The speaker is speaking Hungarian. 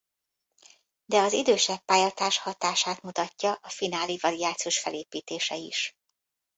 De az idősebb pályatárs hatását mutatja a finálé variációs felépítése is.